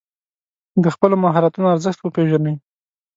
د خپلو مهارتونو ارزښت وپېژنئ.